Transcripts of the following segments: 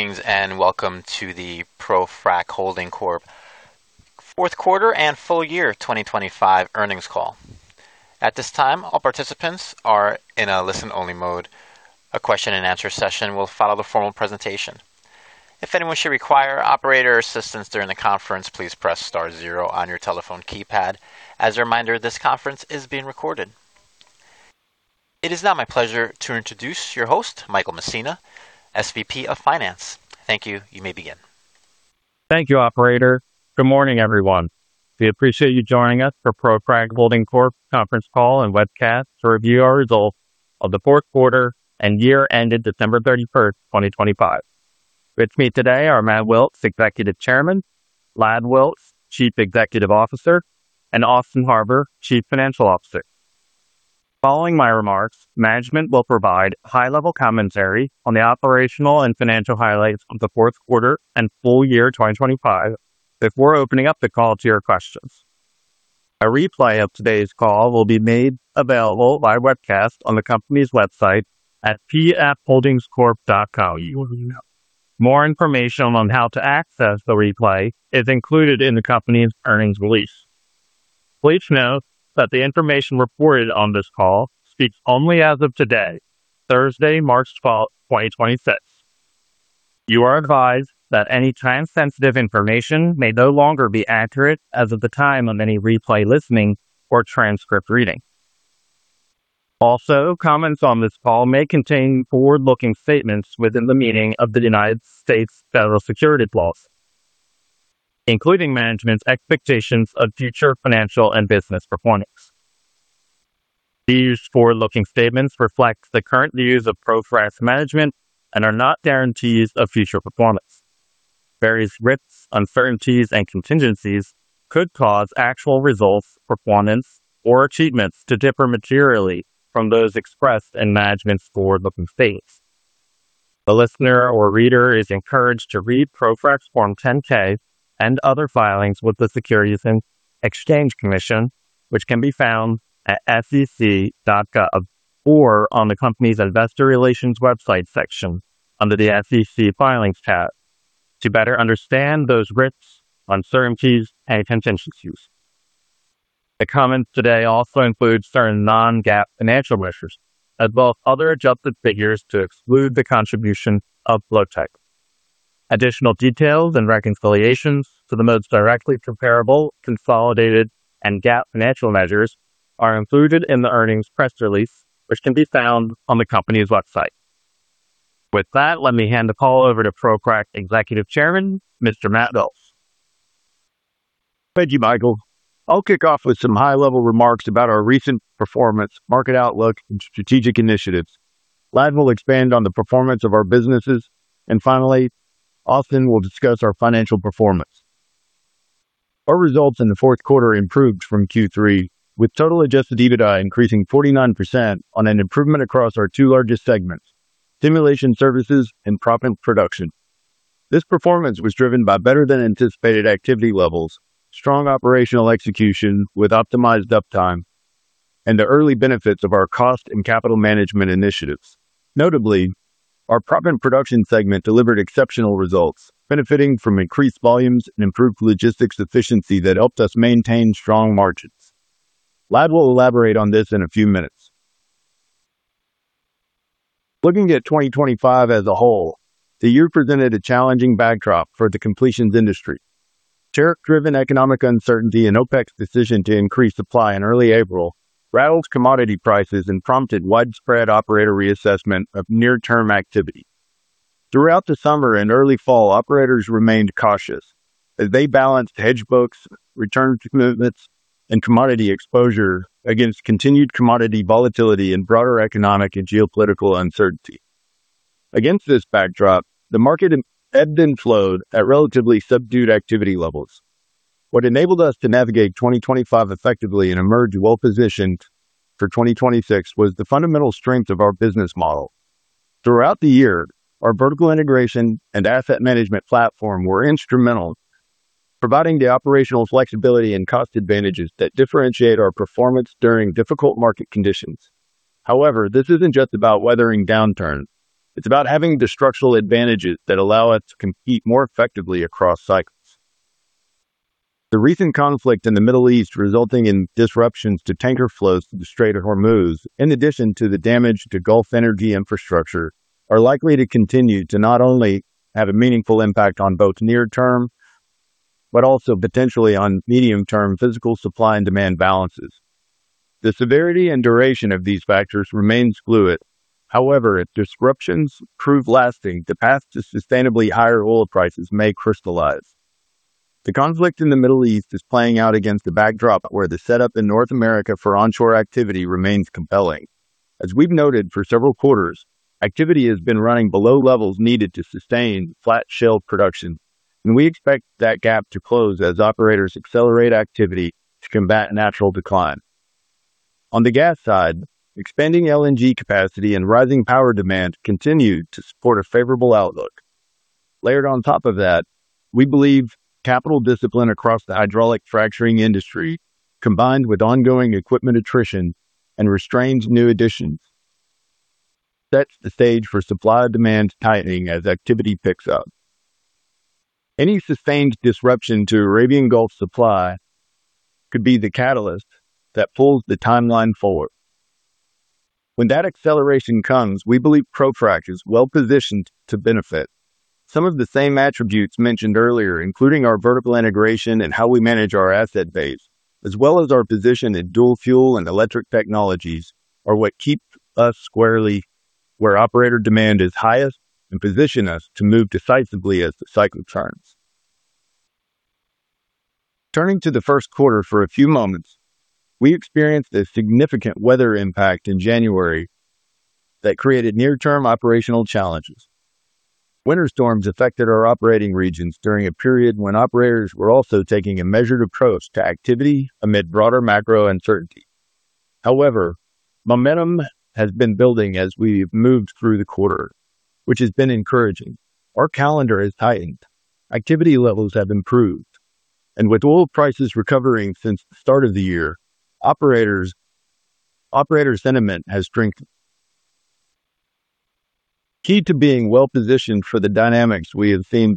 Greetings and welcome to the ProFrac Holding Corp. fourth quarter and full year 2025 earnings call. At this time, all participants are in a listen-only mode. A question and answer session will follow the formal presentation. If anyone should require operator assistance during the conference, please press star zero on your telephone keypad. As a reminder, this conference is being recorded. It is now my pleasure to introduce your host, Michael Messina, SVP of Finance. Thank you. You may begin. Thank you, operator. Good morning, everyone. We appreciate you joining us for ProFrac Holding Corp's conference call and webcast to review our results of the fourth quarter and year ended December 31st, 2025. With me today are Matt Wilks, Executive Chairman, Ladd Wilks, Chief Executive Officer, and Austin Harbour, Chief Financial Officer. Following my remarks, management will provide high-level commentary on the operational and financial highlights of the fourth quarter and full year 2025 before opening up the call to your questions. A replay of today's call will be made available by webcast on the company's website at pfholdingscorp.com. More information on how to access the replay is included in the company's earnings release. Please note that the information reported on this call speaks only as of today, Thursday, March 12, 2025. You are advised that any time-sensitive information may no longer be accurate as of the time of any replay listening or transcript reading. Also, comments on this call may contain forward-looking statements within the meaning of the United States federal securities laws, including management's expectations of future financial and business performance. These forward-looking statements reflect the current views of ProFrac's management and are not guarantees of future performance. Various risks, uncertainties, and contingencies could cause actual results, performance or achievements to differ materially from those expressed in management's forward-looking statements. The listener or reader is encouraged to read ProFrac's Form 10-K and other filings with the Securities and Exchange Commission, which can be found at sec.gov or on the company's investor relations website section under the SEC Filings tab to better understand those risks, uncertainties and contingencies. The comments today also include certain non-GAAP financial measures as well as other adjusted figures to exclude the contribution of Flotek. Additional details and reconciliations to the most directly comparable consolidated and GAAP financial measures are included in the earnings press release, which can be found on the company's website. With that, let me hand the call over to ProFrac Executive Chairman, Mr. Matt Wilks. Thank you, Michael. I'll kick off with some high-level remarks about our recent performance, market outlook and strategic initiatives. Ladd will expand on the performance of our businesses and finally, Austin will discuss our financial performance. Our results in the fourth quarter improved from Q3, with total adjusted EBITDA increasing 49% on an improvement across our two largest segments, stimulation services and proppant production. This performance was driven by better than anticipated activity levels, strong operational execution with optimized uptime, and the early benefits of our cost and capital management initiatives. Notably, our proppant production segment delivered exceptional results, benefiting from increased volumes and improved logistics efficiency that helped us maintain strong margins. Ladd will elaborate on this in a few minutes. Looking at 2025 as a whole, the year presented a challenging backdrop for the completions industry. Tariff-driven economic uncertainty and OPEC's decision to increase supply in early April rattled commodity prices and prompted widespread operator reassessment of near-term activity. Throughout the summer and early fall, operators remained cautious as they balanced hedge books, return to movements and commodity exposure against continued commodity volatility and broader economic and geopolitical uncertainty. Against this backdrop, the market ebbed and flowed at relatively subdued activity levels. What enabled us to navigate 2025 effectively and emerge well-positioned for 2026 was the fundamental strength of our business model. Throughout the year, our vertical integration and asset management platform were instrumental, providing the operational flexibility and cost advantages that differentiate our performance during difficult market conditions. However, this isn't just about weathering downturns, it's about having the structural advantages that allow us to compete more effectively across cycles. The recent conflict in the Middle East, resulting in disruptions to tanker flows through the Strait of Hormuz, in addition to the damage to Gulf energy infrastructure, are likely to continue to not only have a meaningful impact on both near term, but also potentially on medium-term physical supply and demand balances. The severity and duration of these factors remains fluid. However, if disruptions prove lasting, the path to sustainably higher oil prices may crystallize. The conflict in the Middle East is playing out against a backdrop where the setup in North America for onshore activity remains compelling. As we've noted for several quarters, activity has been running below levels needed to sustain flat shale production, and we expect that gap to close as operators accelerate activity to combat natural decline. On the gas side, expanding LNG capacity and rising power demand continue to support a favorable outlook. Layered on top of that. We believe capital discipline across the hydraulic fracturing industry, combined with ongoing equipment attrition and restrained new additions, sets the stage for supply-demand tightening as activity picks up. Any sustained disruption to Arabian Gulf supply could be the catalyst that pulls the timeline forward. When that acceleration comes, we believe ProFrac is well-positioned to benefit. Some of the same attributes mentioned earlier, including our vertical integration and how we manage our asset base, as well as our position in dual fuel and electric technologies, are what keep us squarely where operator demand is highest and position us to move decisively as the cycle turns. Turning to the first quarter for a few moments, we experienced a significant weather impact in January that created near-term operational challenges. Winter storms affected our operating regions during a period when operators were also taking a measured approach to activity amid broader macro uncertainty. However, momentum has been building as we've moved through the quarter, which has been encouraging. Our calendar has tightened, activity levels have improved, and with oil prices recovering since the start of the year, operator sentiment has strengthened. Key to being well-positioned for the dynamics we have seen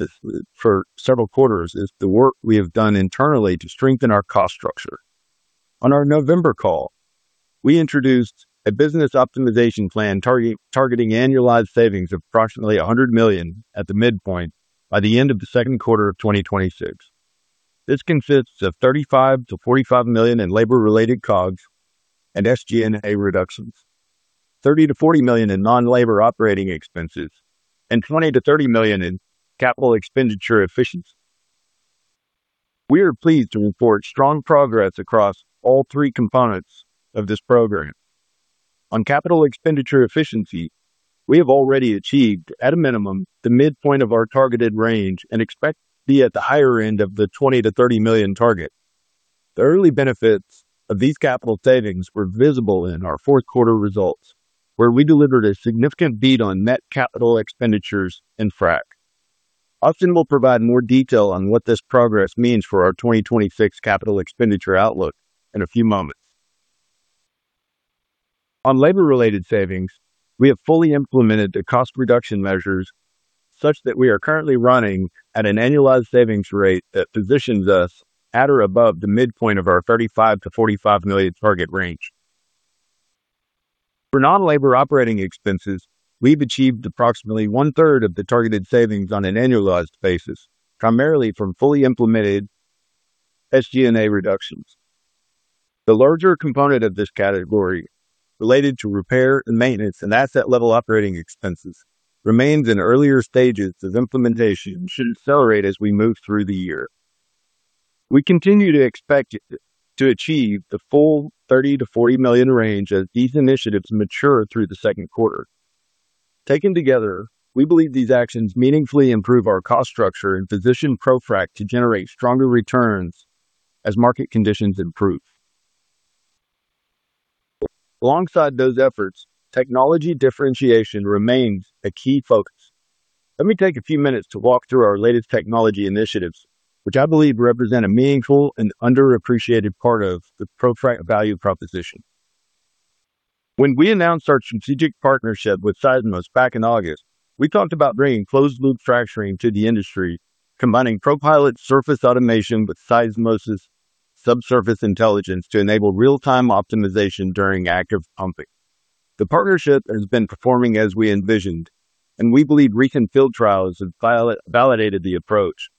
for several quarters is the work we have done internally to strengthen our cost structure. On our November call, we introduced a business optimization plan targeting annualized savings of approximately $100 million at the midpoint by the end of the second quarter of 2026. This consists of $35 million-$45 million in labor-related COGS and SG&A reductions, $30 million-$40 million in non-labor operating expenses, and $20 million-$30 million in capital expenditure efficiency. We are pleased to report strong progress across all three components of this program. On capital expenditure efficiency, we have already achieved, at a minimum, the midpoint of our targeted range and expect to be at the higher end of the $20 million-$30 million target. The early benefits of these capital savings were visible in our fourth quarter results, where we delivered a significant beat on net capital expenditures in frac. Austin will provide more detail on what this progress means for our 2026 capital expenditure outlook in a few moments. On labor-related savings, we have fully implemented the cost reduction measures such that we are currently running at an annualized savings rate that positions us at or above the midpoint of our $35 million-$45 million target range. For non-labor operating expenses, we've achieved approximately one-third of the targeted savings on an annualized basis, primarily from fully implemented SG&A reductions. The larger component of this category related to repair and maintenance and asset-level operating expenses remains in earlier stages of implementation and should accelerate as we move through the year. We continue to expect to achieve the full $30 million-$40 million range as these initiatives mature through the second quarter. Taken together, we believe these actions meaningfully improve our cost structure and position ProFrac to generate stronger returns as market conditions improve. Alongside those efforts, technology differentiation remains a key focus. Let me take a few minutes to walk through our latest technology initiatives, which I believe represent a meaningful and underappreciated part of the ProFrac value proposition. When we announced our strategic partnership with Seismos back in August, we talked about bringing closed loop fracturing to the industry, combining ProPilot surface automation with Seismos' subsurface intelligence to enable real-time optimization during active pumping. The partnership has been performing as we envisioned, and we believe recent field trials have validated the approach.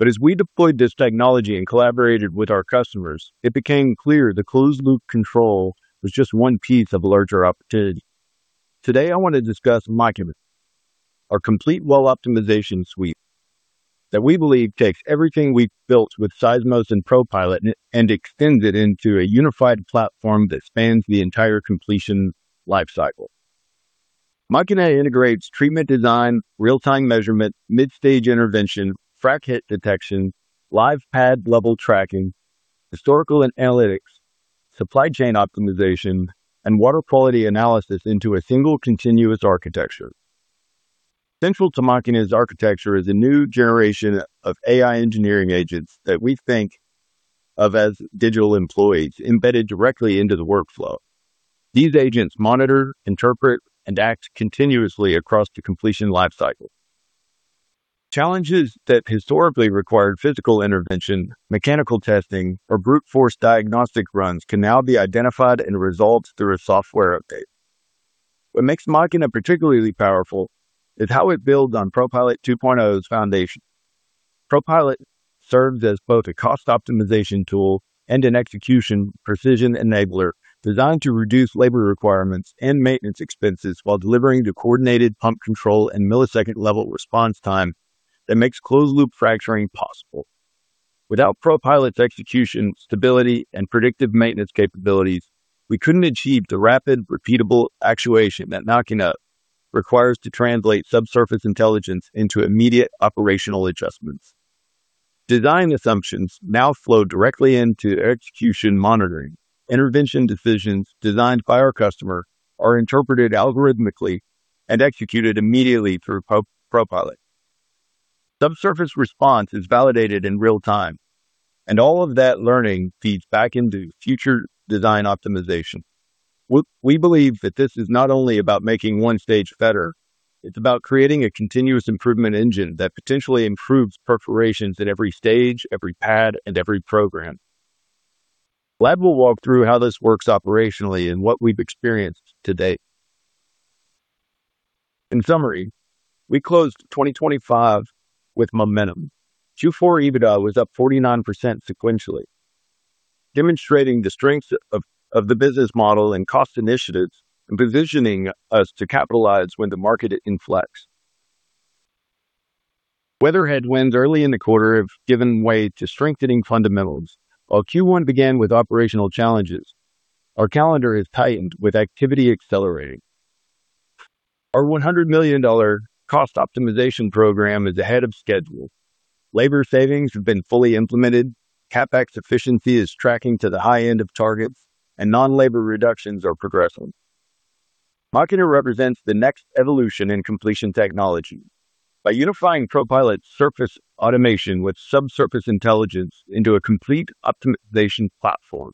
As we deployed this technology and collaborated with our customers, it became clear the closed loop control was just one piece of a larger opportunity. Today, I want to discuss Machina, our complete well optimization suite that we believe takes everything we've built with Seismos and ProPilot and extends it into a unified platform that spans the entire completion lifecycle. Machina integrates treatment design, real-time measurement, mid-stage intervention, frac hit detection, live pad level tracking, historical analytics, supply chain optimization, and water quality analysis into a single continuous architecture. Central to Machina's architecture is a new generation of AI engineering agents that we think of as digital employees embedded directly into the workflow. These agents monitor, interpret, and act continuously across the completion lifecycle. Challenges that historically required physical intervention, mechanical testing, or brute force diagnostic runs can now be identified and resolved through a software update. What makes Machina particularly powerful is how it builds on ProPilot 2.0's foundation. ProPilot serves as both a cost optimization tool and an execution precision enabler designed to reduce labor requirements and maintenance expenses while delivering the coordinated pump control and millisecond level response time that makes closed loop fracturing possible. Without ProPilot's execution, stability, and predictive maintenance capabilities, we couldn't achieve the rapid, repeatable actuation that Machina requires to translate subsurface intelligence into immediate operational adjustments. Design assumptions now flow directly into execution monitoring. Intervention decisions designed by our customer are interpreted algorithmically and executed immediately through ProPilot. Subsurface response is validated in real time, and all of that learning feeds back into future design optimization. We believe that this is not only about making one stage better, it's about creating a continuous improvement engine that potentially improves perforations at every stage, every pad, and every program. Ladd will walk through how this works operationally and what we've experienced to date. In summary, we closed 2025 with momentum. Q4 EBITDA was up 49% sequentially, demonstrating the strength of the business model and cost initiatives, and positioning us to capitalize when the market inflects. Weather headwinds early in the quarter have given way to strengthening fundamentals. While Q1 began with operational challenges, our calendar has tightened with activity accelerating. Our $100 million cost optimization program is ahead of schedule. Labor savings have been fully implemented, CapEx efficiency is tracking to the high end of targets, and non-labor reductions are progressing. Machina represents the next evolution in completion technology. By unifying ProPilot surface automation with subsurface intelligence into a complete optimization platform,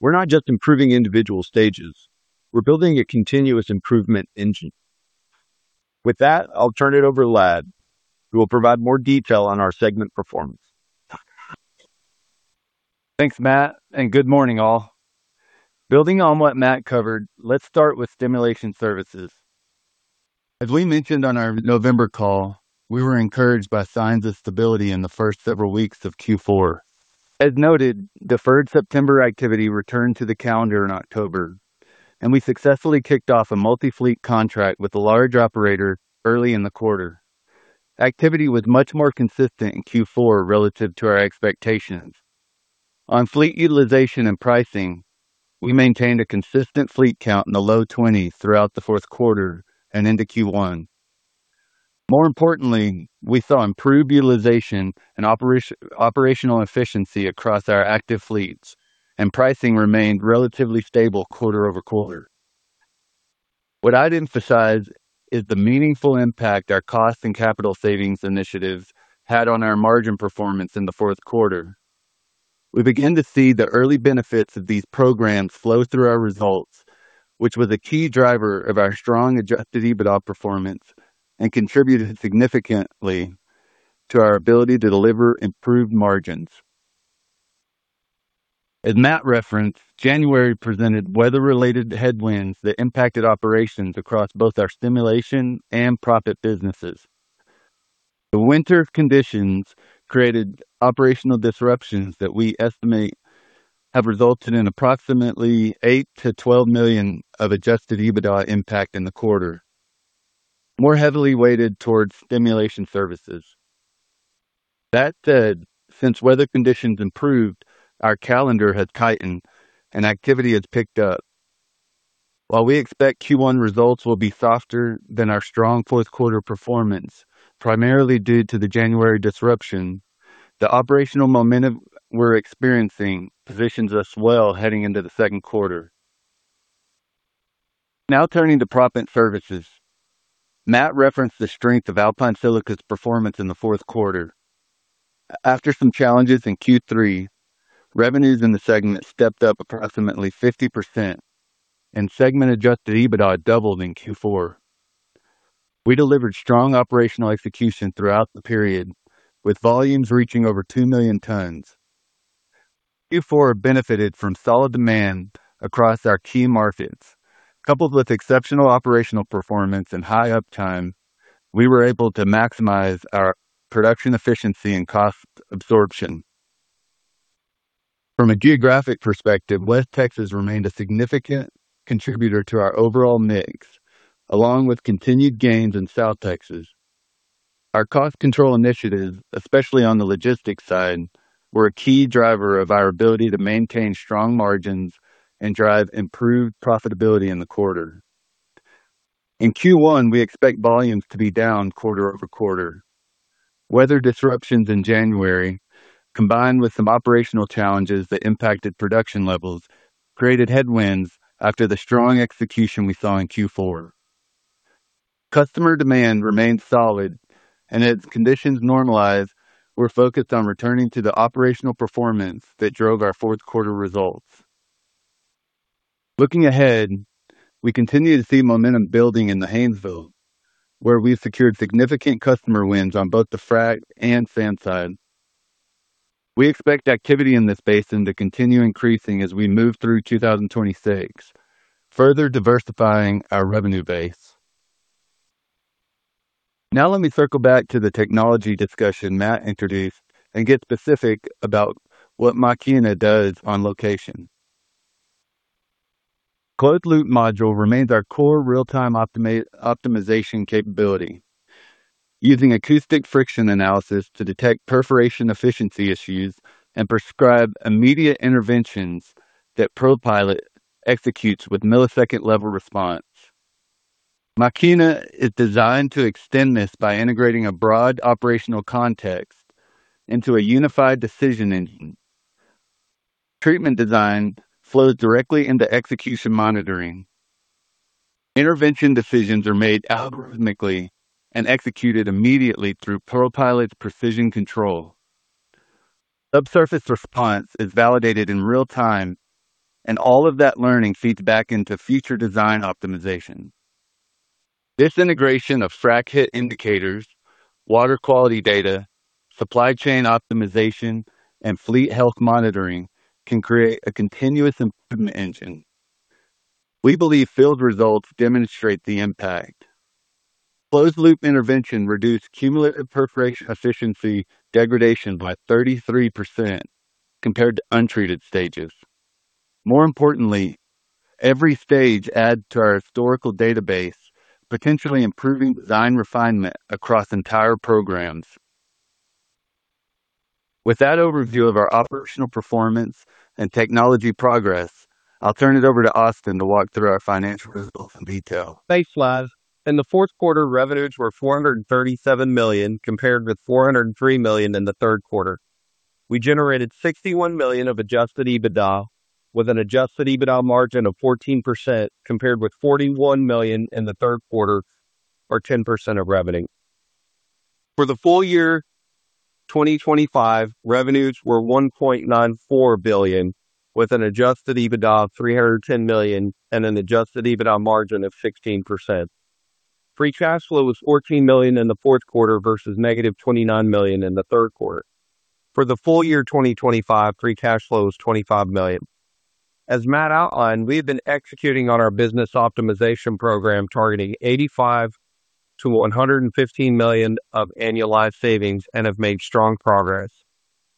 we're not just improving individual stages, we're building a continuous improvement engine. With that, I'll turn it over to Ladd, who will provide more detail on our segment performance. Thanks, Matt, and good morning all. Building on what Matt covered, let's start with stimulation services. As we mentioned on our November call, we were encouraged by signs of stability in the first several weeks of Q4. As noted, deferred September activity returned to the calendar in October, and we successfully kicked off a multi-fleet contract with a large operator early in the quarter. Activity was much more consistent in Q4 relative to our expectations. On fleet utilization and pricing, we maintained a consistent fleet count in the low 20s throughout the fourth quarter and into Q1. More importantly, we saw improved utilization and operational efficiency across our active fleets, and pricing remained relatively stable quarter-over-quarter. What I'd emphasize is the meaningful impact our cost and capital savings initiatives had on our margin performance in the fourth quarter. We begin to see the early benefits of these programs flow through our results, which was a key driver of our strong adjusted EBITDA performance and contributed significantly to our ability to deliver improved margins. As Matt referenced, January presented weather-related headwinds that impacted operations across both our stimulation and proppant businesses. The winter conditions created operational disruptions that we estimate have resulted in approximately $8 million-$12 million of adjusted EBITDA impact in the quarter, more heavily weighted towards stimulation services. That said, since weather conditions improved, our calendar has tightened and activity has picked up. While we expect Q1 results will be softer than our strong fourth quarter performance, primarily due to the January disruption, the operational momentum we're experiencing positions us well heading into the second quarter. Now turning to proppant services. Matt referenced the strength of Alpine Silica's performance in the fourth quarter. After some challenges in Q3, revenues in the segment stepped up approximately 50% and segment adjusted EBITDA doubled in Q4. We delivered strong operational execution throughout the period, with volumes reaching over 2 million tons. Q4 benefited from solid demand across our key markets. Coupled with exceptional operational performance and high uptime, we were able to maximize our production efficiency and cost absorption. From a geographic perspective, West Texas remained a significant contributor to our overall mix, along with continued gains in South Texas. Our cost control initiatives, especially on the logistics side, were a key driver of our ability to maintain strong margins and drive improved profitability in the quarter. In Q1, we expect volumes to be down quarter-over-quarter. Weather disruptions in January, combined with some operational challenges that impacted production levels, created headwinds after the strong execution we saw in Q4. Customer demand remains solid, and as conditions normalize, we're focused on returning to the operational performance that drove our fourth quarter results. Looking ahead, we continue to see momentum building in the Haynesville, where we've secured significant customer wins on both the frac and sand side. We expect activity in this basin to continue increasing as we move through 2026, further diversifying our revenue base. Now let me circle back to the technology discussion Matt introduced and get specific about what Machina does on location. Closed loop module remains our core real-time optimization capability, using acoustic friction analysis to detect perforation efficiency issues and prescribe immediate interventions that ProPilot executes with millisecond level response. Machina is designed to extend this by integrating a broad operational context into a unified decision engine. Treatment design flows directly into execution monitoring. Intervention decisions are made algorithmically and executed immediately through ProPilot's precision control. Subsurface response is validated in real time, and all of that learning feeds back into future design optimization. This integration of frac hit indicators, water quality data, supply chain optimization, and fleet health monitoring can create a continuous improvement engine. We believe field results demonstrate the impact. Closed loop intervention reduced cumulative perforation efficiency degradation by 33% compared to untreated stages. More importantly, every stage adds to our historical database, potentially improving design refinement across entire programs. With that overview of our operational performance and technology progress, I'll turn it over to Austin to walk through our financial results in detail. Thanks, Ladd. In the fourth quarter, revenues were $437 million, compared with $403 million in the third quarter. We generated $61 million of adjusted EBITDA, with an adjusted EBITDA margin of 14%, compared with $41 million in the third quarter, or 10% of revenue. For the full year 2025, revenues were $1.94 billion, with an adjusted EBITDA of $310 million and an adjusted EBITDA margin of 16%. Free cash flow was $14 million in the fourth quarter versus -$29 million in the third quarter. For the full year 2025, free cash flow was $25 million. As Matt outlined, we have been executing on our business optimization program, targeting $85 million-$115 million of annualized savings and have made strong progress.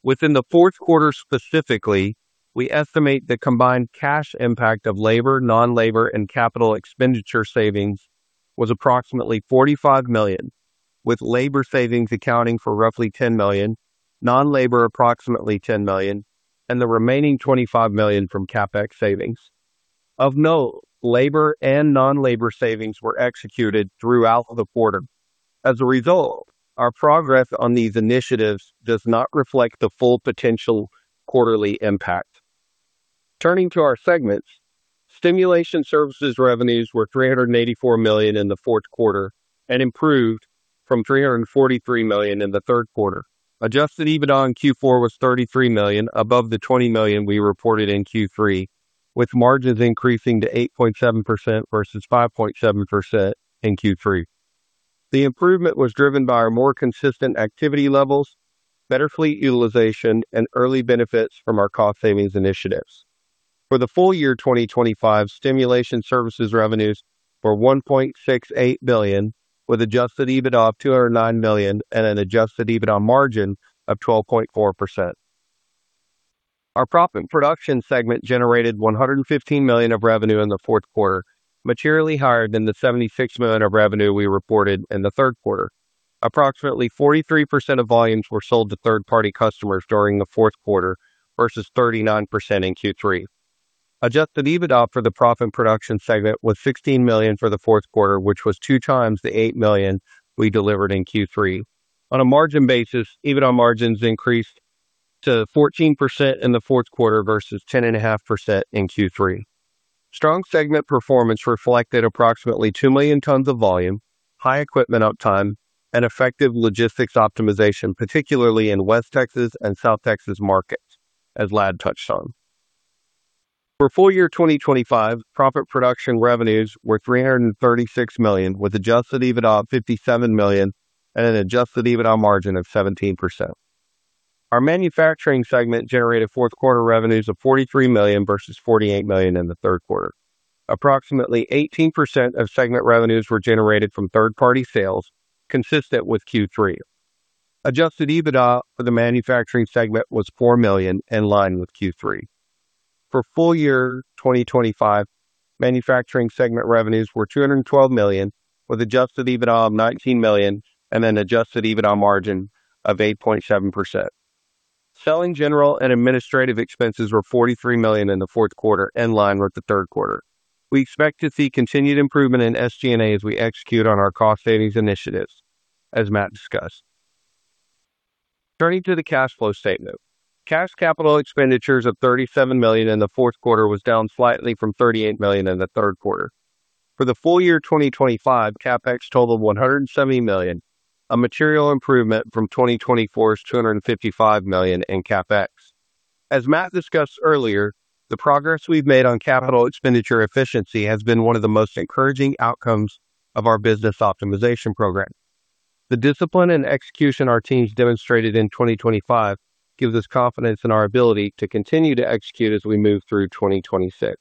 Within the fourth quarter specifically, we estimate the combined cash impact of labor, non-labor, and capital expenditure savings was approximately $45 million, with labor savings accounting for roughly $10 million, non-labor approximately $10 million, and the remaining $25 million from CapEx savings. Of note, labor and non-labor savings were executed throughout the quarter. As a result, our progress on these initiatives does not reflect the full potential quarterly impact. Turning to our segments, stimulation services revenues were $384 million in the fourth quarter and improved from $343 million in the third quarter. Adjusted EBITDA in Q4 was $33 million above the $20 million we reported in Q3, with margins increasing to 8.7% versus 5.7% in Q3. The improvement was driven by our more consistent activity levels, better fleet utilization, and early benefits from our cost savings initiatives. For the full year 2025, stimulation services revenues were $1.68 billion, with adjusted EBITDA of $209 million and an adjusted EBITDA margin of 12.4%. Our proppant production segment generated $115 million of revenue in the fourth quarter, materially higher than the $76 million of revenue we reported in the third quarter. Approximately 43% of volumes were sold to third-party customers during the fourth quarter versus 39% in Q3. Adjusted EBITDA for the proppant production segment was $16 million for the fourth quarter, which was 2x the $8 million we delivered in Q3. On a margin basis, EBITDA margins increased to 14% in the fourth quarter versus 10.5% in Q3. Strong segment performance reflected approximately 2 million tons of volume, high equipment uptime, and effective logistics optimization, particularly in West Texas and South Texas markets, as Ladd touched on. For full year 2025, proppant production revenues were $336 million, with adjusted EBITDA of $57 million and an adjusted EBITDA margin of 17%. Our manufacturing segment generated fourth quarter revenues of $43 million versus $48 million in the third quarter. Approximately 18% of segment revenues were generated from third-party sales, consistent with Q3. Adjusted EBITDA for the manufacturing segment was $4 million, in line with Q3. For full year 2025, manufacturing segment revenues were $212 million, with adjusted EBITDA of $19 million and an adjusted EBITDA margin of 8.7%. Selling, general, and administrative expenses were $43 million in the fourth quarter, in line with the third quarter. We expect to see continued improvement in SG&A as we execute on our cost savings initiatives, as Matt discussed. Turning to the cash flow statement. Cash capital expenditures of $37 million in the fourth quarter was down slightly from $38 million in the third quarter. For the full year 2025, CapEx totaled $170 million, a material improvement from 2024's $255 million in CapEx. As Matt discussed earlier, the progress we've made on capital expenditure efficiency has been one of the most encouraging outcomes of our business optimization program. The discipline and execution our teams demonstrated in 2025 gives us confidence in our ability to continue to execute as we move through 2026.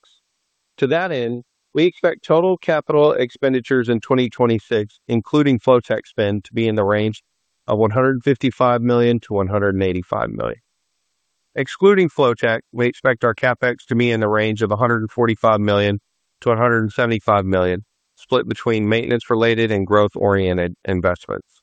To that end, we expect total capital expenditures in 2026, including Flotek spend, to be in the range of $155 million-$185 million. Excluding Flotek, we expect our CapEx to be in the range of $145 million-$175 million, split between maintenance-related and growth-oriented investments.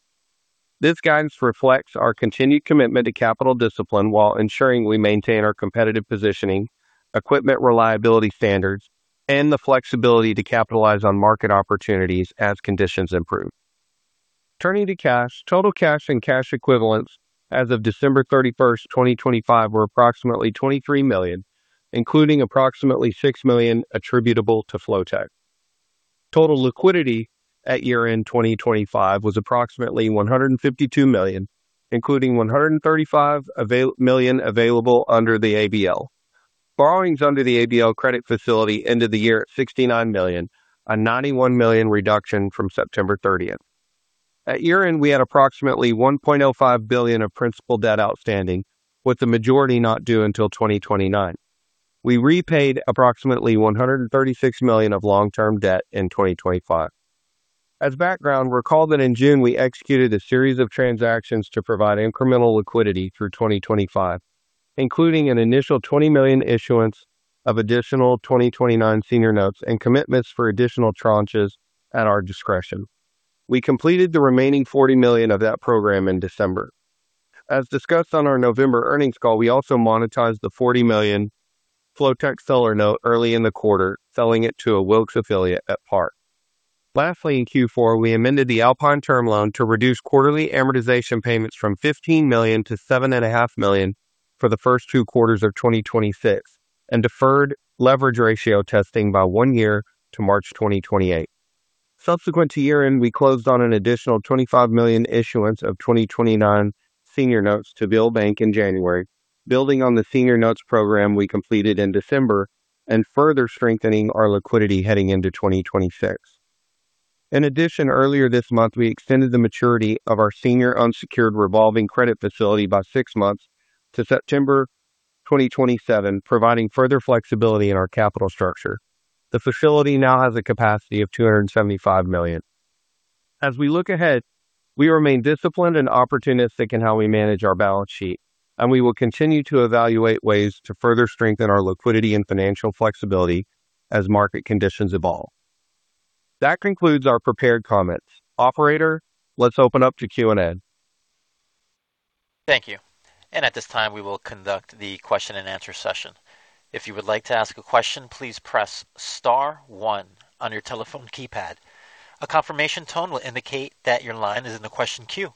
This guidance reflects our continued commitment to capital discipline while ensuring we maintain our competitive positioning, equipment reliability standards, and the flexibility to capitalize on market opportunities as conditions improve. Turning to cash. Total cash and cash equivalents as of December 31st, 2025 were approximately $23 million, including approximately $6 million attributable to Flotek. Total liquidity at year-end 2025 was approximately $152 million, including $135 million available under the ABL. Borrowings under the ABL credit facility ended the year at $69 million, a $91 million reduction from September 30th. At year-end, we had approximately $1.05 billion of principal debt outstanding, with the majority not due until 2029. We repaid approximately $136 million of long-term debt in 2025. As background, recall that in June we executed a series of transactions to provide incremental liquidity through 2025, including an initial $20 million issuance of additional 2029 senior notes and commitments for additional tranches at our discretion. We completed the remaining $40 million of that program in December. As discussed on our November earnings call, we also monetized the $40 million Flotek seller note early in the quarter, selling it to a Wilks affiliate at par. Lastly, in Q4, we amended the Alpine term loan to reduce quarterly amortization payments from $15 million to $7.5 million for the first two quarters of 2026 and deferred leverage ratio testing by one year to March 2028. Subsequent to year-end, we closed on an additional $25 million issuance of 2029 Senior Notes to Beal Bank in January, building on the senior notes program we completed in December and further strengthening our liquidity heading into 2026. In addition, earlier this month, we extended the maturity of our senior unsecured revolving credit facility by six months to September 2027, providing further flexibility in our capital structure. The facility now has a capacity of $275 million. As we look ahead, we remain disciplined and opportunistic in how we manage our balance sheet, and we will continue to evaluate ways to further strengthen our liquidity and financial flexibility as market conditions evolve. That concludes our prepared comments. Operator, let's open up to Q&A. Thank you. At this time, we will conduct the question and answer session. If you would like to ask a question, please press star one on your telephone keypad. A confirmation tone will indicate that your line is in the question queue.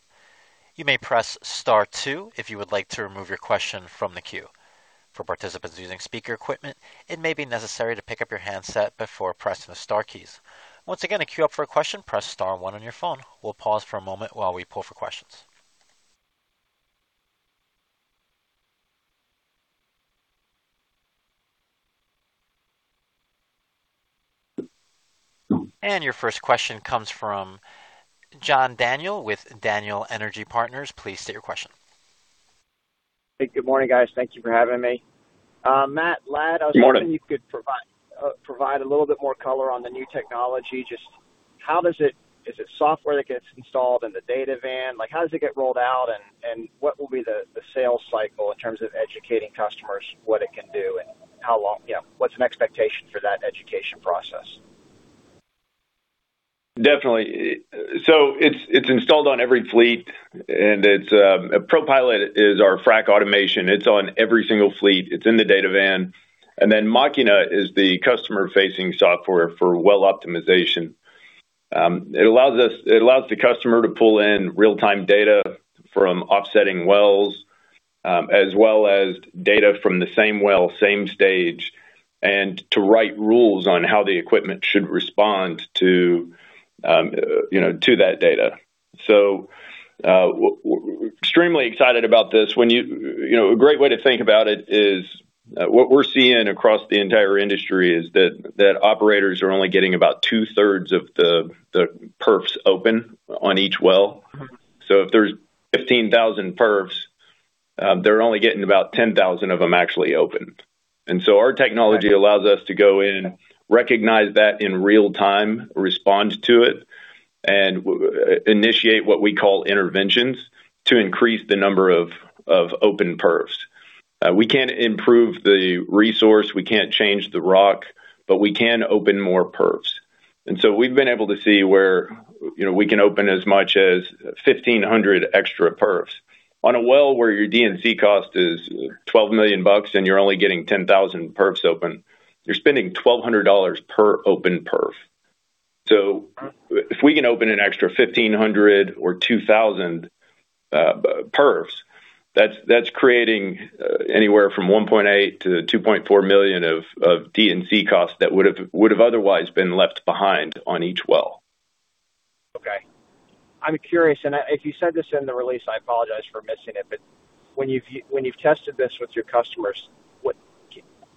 You may press star two if you would like to remove your question from the queue. For participants using speaker equipment, it may be necessary to pick up your handset before pressing the star keys. Once again, to queue up for a question, press star one on your phone. We'll pause for a moment while we pull for questions. Your first question comes from John Daniel with Daniel Energy Partners. Please state your question. Hey, good morning, guys. Thank you for having me. Matt, Ladd- Good morning. I was wondering if you could provide a little bit more color on the new technology. Just how does it? Is it software that gets installed in the data van? Like, how does it get rolled out and what will be the sales cycle in terms of educating customers what it can do and how long? Yeah. What's an expectation for that education process? Definitely. It's installed on every fleet, and ProPilot is our frac automation. It's on every single fleet. It's in the data van. Then Machina is the customer-facing software for well optimization. It allows the customer to pull in real-time data from offsetting wells, as well as data from the same well, same stage, and to write rules on how the equipment should respond to, you know, to that data. We're extremely excited about this. You know, a great way to think about it is what we're seeing across the entire industry is that operators are only getting about two-thirds of the perfs open on each well. If there's 15,000 perfs, they're only getting about 10,000 of them actually open. Our technology allows us to go in, recognize that in real time, respond to it, and initiate what we call interventions to increase the number of open perfs. We can't improve the resource, we can't change the rock, but we can open more perfs. We've been able to see where, you know, we can open as much as 1,500 extra perfs. On a well where your D&C cost is $12 million and you're only getting 10,000 perfs open, you're spending $1,200 per open perf. If we can open an extra 1,500 or 2,000 perfs, that's creating anywhere from $1.8 million-$2.4 million of D&C costs that would have otherwise been left behind on each well. Okay. I'm curious, and if you said this in the release, I apologize for missing it, but when you've tested this with your customers, what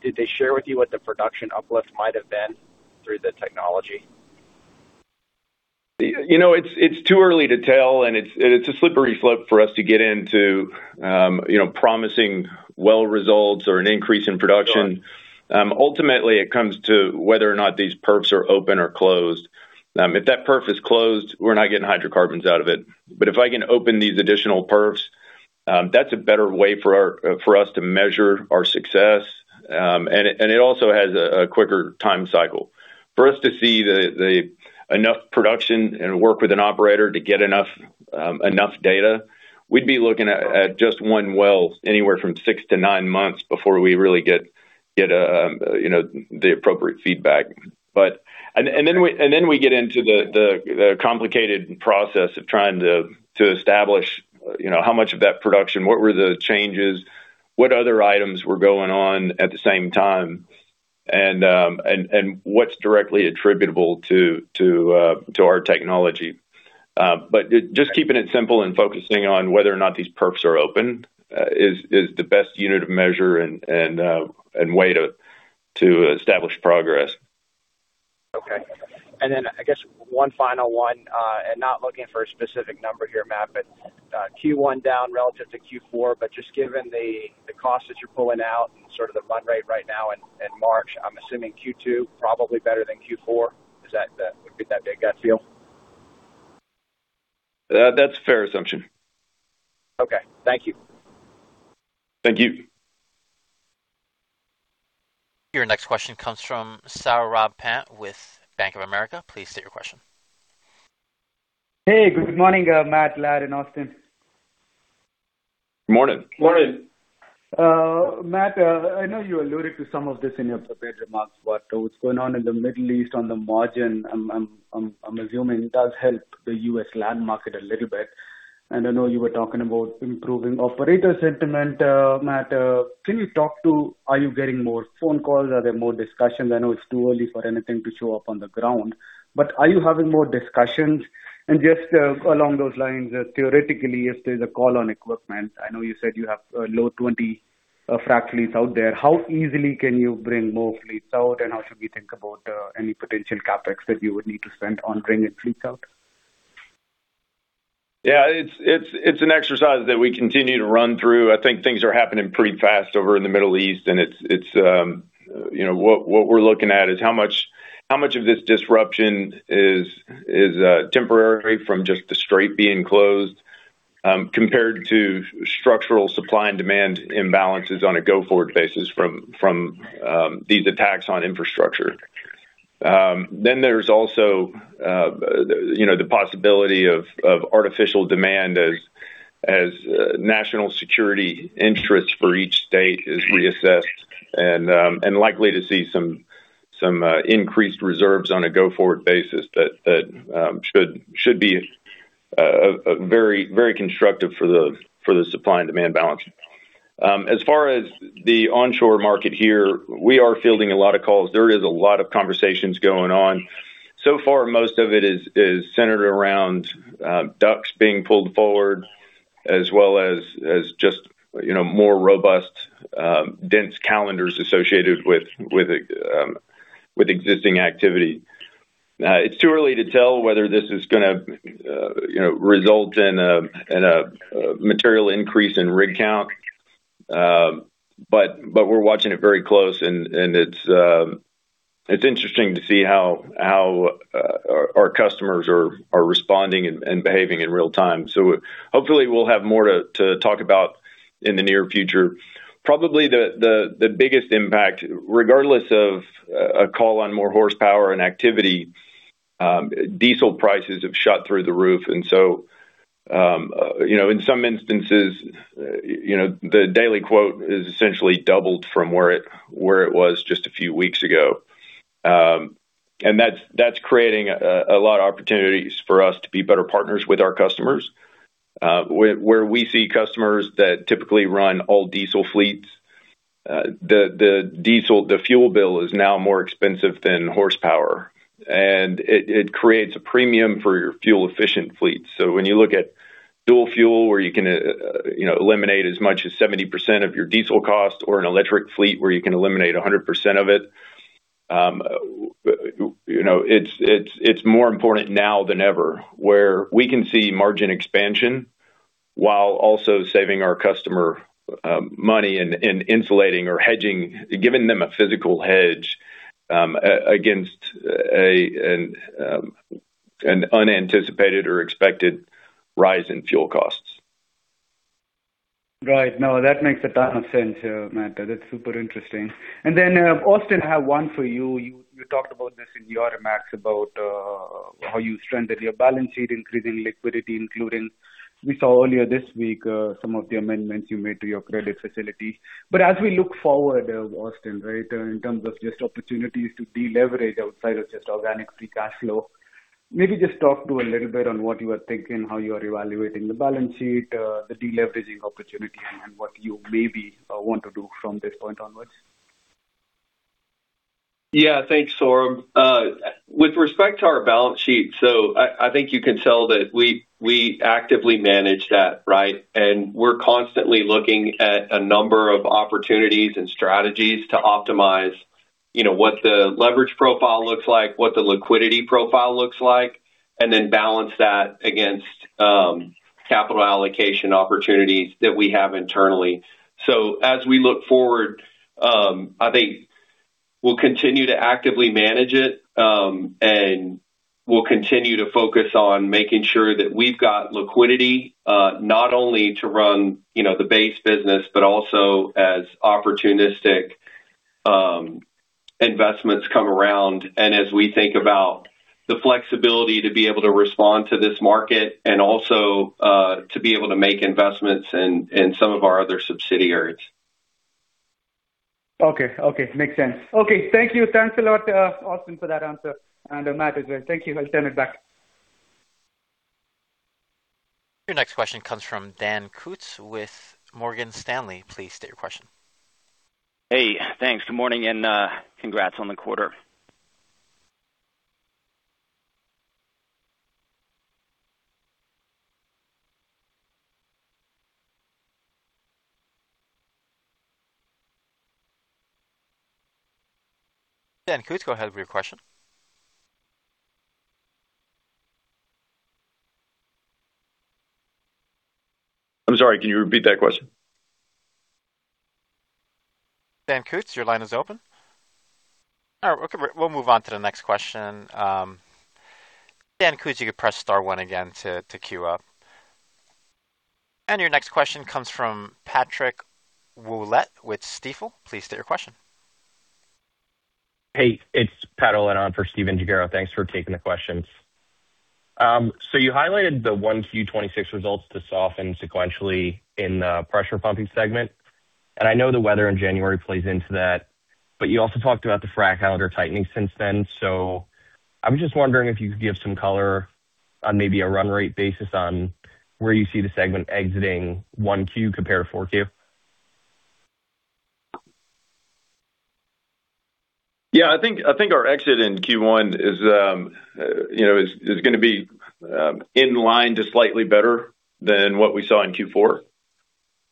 did they share with you what the production uplift might have been through the technology? You know, it's too early to tell, and it's a slippery slope for us to get into, you know, promising well results or an increase in production. Sure. Ultimately, it comes to whether or not these perfs are open or closed. If that perf is closed, we're not getting hydrocarbons out of it. If I can open these additional perfs That's a better way for us to measure our success, and it also has a quicker time cycle. For us to see enough production and work with an operator to get enough data, we'd be looking at just one well anywhere from six-nine months before we really get you know, the appropriate feedback. Then we get into the complicated process of trying to establish, you know, how much of that production, what were the changes, what other items were going on at the same time, and what's directly attributable to our technology. Just keeping it simple and focusing on whether or not these perfs are open is the best unit of measure and way to establish progress. Okay. I guess one final one, and not looking for a specific number here, Matt, but Q1 down relative to Q4, but just given the cost that you're pulling out and sort of the run rate right now in March, I'm assuming Q2 probably better than Q4. Would that be a good feel? That's a fair assumption. Okay. Thank you. Thank you. Your next question comes from Saurabh Pant with Bank of America. Please state your question. Hey, good morning, Matt, Ladd in Austin. Morning. Morning. Matt, I know you alluded to some of this in your prepared remarks about what's going on in the Middle East on the margin. I'm assuming it does help the U.S. land market a little bit. I know you were talking about improving operator sentiment, Matt. Can you talk about whether you are getting more phone calls? Are there more discussions? I know it's too early for anything to show up on the ground, but are you having more discussions? Just along those lines, theoretically, if there's a call on equipment, I know you said you have a low 20 frac fleets out there. How easily can you bring more fleets out? How should we think about any potential CapEx that you would need to spend on bringing fleets out? Yeah, it's an exercise that we continue to run through. I think things are happening pretty fast over in the Middle East, and it's you know. What we're looking at is how much of this disruption is temporary from just the strait being closed, compared to structural supply and demand imbalances on a go-forward basis from these attacks on infrastructure. Then there's also you know the possibility of artificial demand as national security interest for each state is reassessed and likely to see some increased reserves on a go-forward basis that should be very constructive for the supply and demand balance. As far as the onshore market here, we are fielding a lot of calls. There is a lot of conversations going on. So far, most of it is centered around DUCs being pulled forward as well as just, you know, more robust dense calendars associated with existing activity. It's too early to tell whether this is gonna result in a material increase in rig count. But we're watching it very close and it's interesting to see how our customers are responding and behaving in real time. Hopefully we'll have more to talk about in the near future. Probably the biggest impact, regardless of a call on more horsepower and activity, diesel prices have shot through the roof. You know, in some instances, you know, the daily quote is essentially doubled from where it was just a few weeks ago. That's creating a lot of opportunities for us to be better partners with our customers. Where we see customers that typically run all diesel fleets, the diesel fuel bill is now more expensive than horsepower, and it creates a premium for your fuel efficient fleets. When you look at dual fuel where you can, you know, eliminate as much as 70% of your diesel cost or an electric fleet where you can eliminate 100% of it, you know, it's more important now than ever, where we can see margin expansion while also saving our customer money and insulating or hedging, giving them a physical hedge against an unanticipated or expected rise in fuel costs. Right. No, that makes a ton of sense, Matt. That's super interesting. Then, Austin, I have one for you. You talked about this in your remarks about how you strengthened your balance sheet, increasing liquidity, including we saw earlier this week, some of the amendments you made to your credit facility. As we look forward, Austin, right, in terms of just opportunities to deleverage outside of just organic free cash flow, maybe just talk to a little bit on what you are thinking, how you are evaluating the balance sheet, the deleveraging opportunity and what you maybe want to do from this point onwards? Yeah. Thanks, Saurabh. With respect to our balance sheet, I think you can tell that we actively manage that, right? We're constantly looking at a number of opportunities and strategies to optimize, you know, what the leverage profile looks like, what the liquidity profile looks like, and then balance that against capital allocation opportunities that we have internally. As we look forward, I think we'll continue to actively manage it, and We'll continue to focus on making sure that we've got liquidity, not only to run, you know, the base business, but also as opportunistic investments come around and as we think about the flexibility to be able to respond to this market and also, to be able to make investments in some of our other subsidiaries. Okay. Makes sense. Okay. Thank you. Thanks a lot, Austin, for that answer and Matt as well. Thank you. I'll turn it back. Your next question comes from Dan Kutz with Morgan Stanley. Please state your question. Hey, thanks. Good morning, and congrats on the quarter. Dan Kutz, go ahead with your question. I'm sorry, can you repeat that question? Dan Kutz, your line is open. All right. We'll move on to the next question. Dan Kutz, you can press star one again to queue up. Your next question comes from Patrick Ouellette with Stifel. Please state your question. Hey, it's Pat Ouellette on for Stephen Gengaro. Thanks for taking the questions. You highlighted the 1Q 2026 results to soften sequentially in the pressure pumping segment. I know the weather in January plays into that. You also talked about the frac calendar tightening since then. I was just wondering if you could give some color on maybe a run rate basis on where you see the segment exiting 1Q compared to 4Q? Yeah, I think our exit in Q1 is, you know, gonna be in line to slightly better than what we saw in Q4.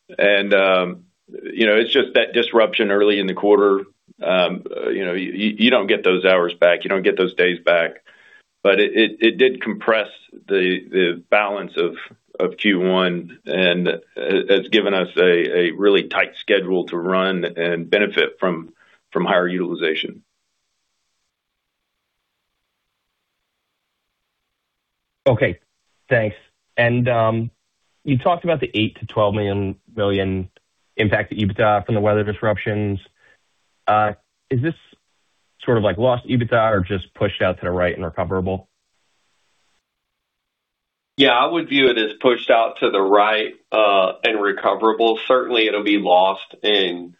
It's just that disruption early in the quarter, you know, you don't get those hours back, you don't get those days back. It did compress the balance of Q1. It's given us a really tight schedule to run and benefit from higher utilization. Okay, thanks. You talked about the $8 million-$12 million impact to EBITDA from the weather disruptions. Is this sort of like lost EBITDA or just pushed out to the right and recoverable? Yeah, I would view it as pushed out to the right, and recoverable. Certainly it'll be lost in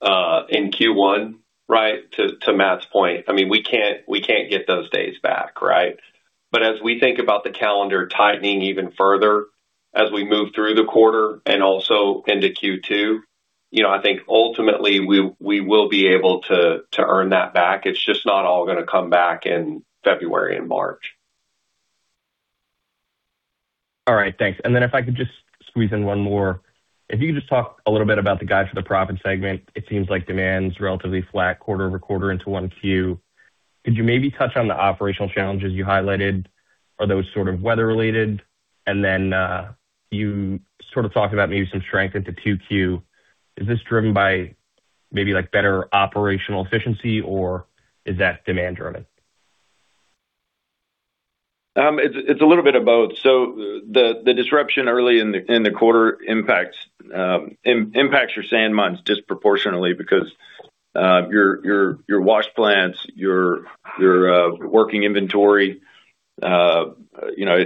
Q1, right? To Matt's point, I mean, we can't get those days back, right? As we think about the calendar tightening even further as we move through the quarter and also into Q2, you know, I think ultimately we will be able to earn that back. It's just not all gonna come back in February and March. All right, thanks. If I could just squeeze in one more. If you could just talk a little bit about the guide for the proppant segment, it seems like demand's relatively flat quarter-over-quarter into 1Q. Could you maybe touch on the operational challenges you highlighted? Are those sort of weather related? You sort of talked about maybe some strength into 2Q. Is this driven by maybe like better operational efficiency or is that demand driven? It's a little bit of both. The disruption early in the quarter impacts your sand mines disproportionately because your wash plants, your working inventory, you know,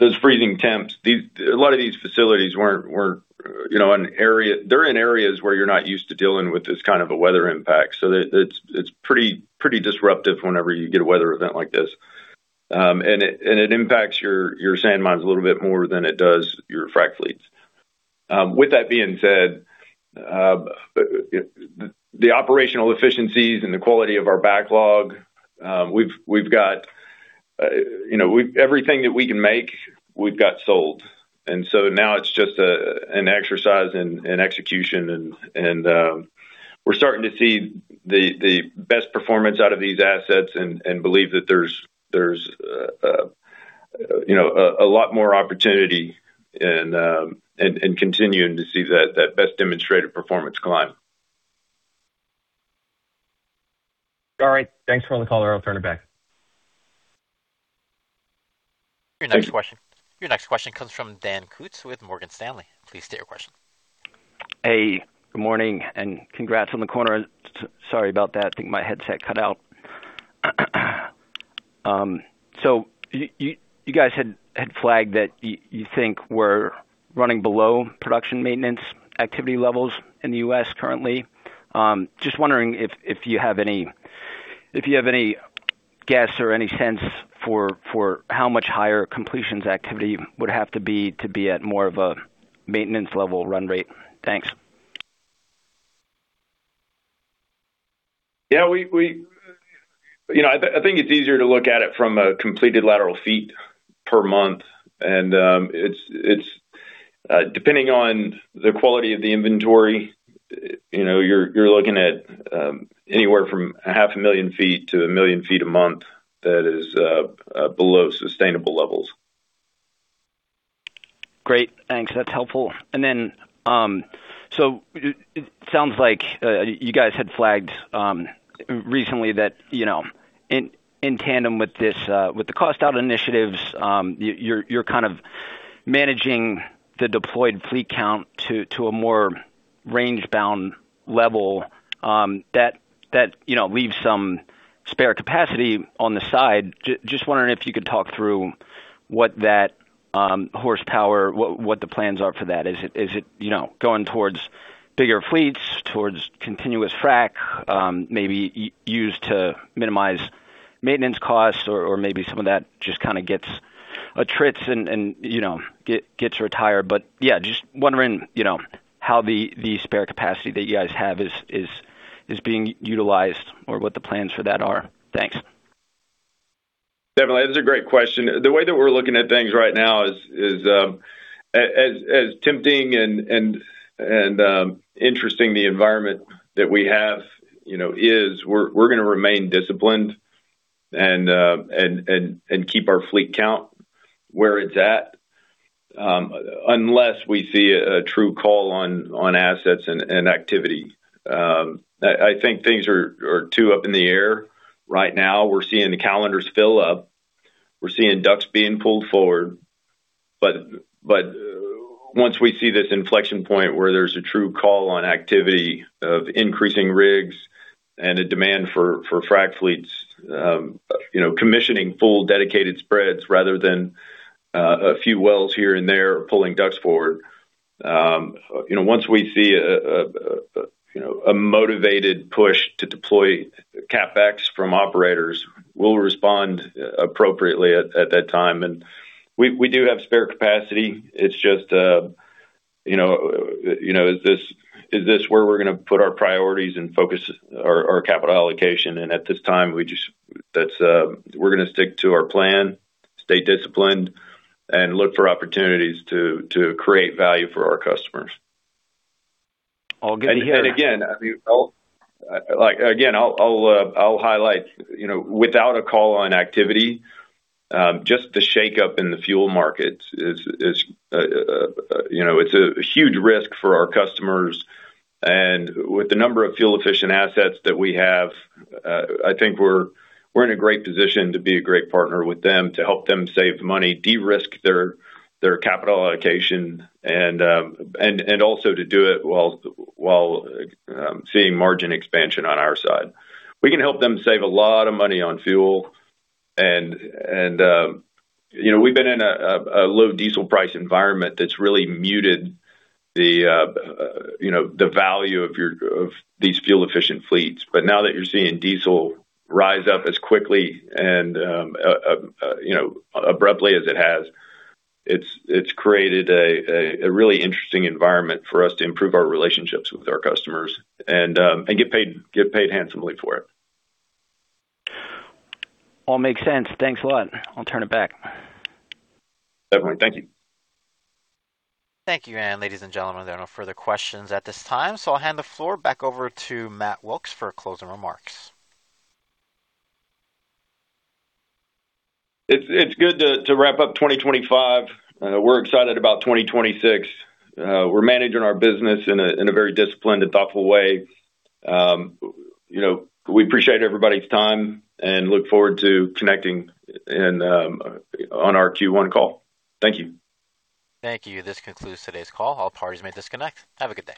those freezing temps, a lot of these facilities weren't in areas where you're not used to dealing with this kind of a weather impact. It's pretty disruptive whenever you get a weather event like this. It impacts your sand mines a little bit more than it does your frac fleets. With that being said, the operational efficiencies and the quality of our backlog, we've got everything that we can make sold. Now it's just an exercise in execution and we're starting to see the best performance out of these assets and believe that there's, you know, a lot more opportunity and continuing to see that best demonstrated performance climb. All right. Thanks for the call. I'll turn it back. Your next question comes from Dan Kutz with Morgan Stanley. Please state your question. Hey, good morning and congrats on the quarter. Sorry about that. I think my headset cut out. You guys had flagged that you think we're running below production maintenance activity levels in the U.S. currently. Just wondering if you have any guess or any sense for how much higher completions activity would have to be to be at more of a maintenance level run rate? Thanks. I think it's easier to look at it from a completed lateral feet per month. It's depending on the quality of the inventory, you know, you're looking at anywhere from half a million feet to 1 million feet a month that is below sustainable levels. Great. Thanks. That's helpful. So it sounds like you guys had flagged recently that, you know, in tandem with this, with the cost out initiatives, you're kind of managing the deployed fleet count to a more range bound level, that, you know, leaves some spare capacity on the side. Just wondering if you could talk through what that horsepower, what the plans are for that? Is it, you know, going towards bigger fleets, towards continuous frac, maybe used to minimize maintenance costs or maybe some of that just kind of gets attrits and, you know, gets retired. Yeah, just wondering, you know, how the spare capacity that you guys have is being utilized or what the plans for that are? Thanks. Definitely. That's a great question. The way that we're looking at things right now is as tempting and interesting, the environment that we have, you know, is we're gonna remain disciplined and keep our fleet count where it's at, unless we see a true call on assets and activity. I think things are too up in the air right now. We're seeing the calendars fill up. We're seeing DUCs being pulled forward. Once we see this inflection point where there's a true call on activity of increasing rigs and a demand for frac fleets, you know, commissioning full dedicated spreads rather than a few wells here and there pulling DUCs forward. You know, once we see a motivated push to deploy CapEx from operators, we'll respond appropriately at that time. We do have spare capacity. It's just, you know, is this where we're gonna put our priorities and focus our capital allocation? At this time we just, that's, we're gonna stick to our plan, stay disciplined, and look for opportunities to create value for our customers. I'll get- I mean, like again, I'll highlight, you know, without a call on activity, just the shake up in the fuel markets, you know, it's a huge risk for our customers. With the number of fuel efficient assets that we have, I think we're in a great position to be a great partner with them to help them save money, de-risk their capital allocation, and also to do it while seeing margin expansion on our side. We can help them save a lot of money on fuel, you know, we've been in a low diesel price environment that's really muted, you know, the value of these fuel efficient fleets. Now that you're seeing diesel rise up as quickly and you know abruptly as it has, it's created a really interesting environment for us to improve our relationships with our customers and get paid handsomely for it. All makes sense. Thanks a lot. I'll turn it back. Okay. Thank you. Thank you. Ladies and gentlemen, there are no further questions at this time, so I'll hand the floor back over to Matt Wilks for closing remarks. It's good to wrap up 2025. We're excited about 2026. We're managing our business in a very disciplined and thoughtful way. You know, we appreciate everybody's time and look forward to connecting and on our Q1 call. Thank you. Thank you. This concludes today's call. All parties may disconnect. Have a good day.